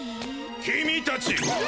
君たち。